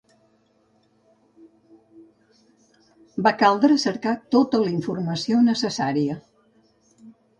Va caldre cercar tota la informació necessària.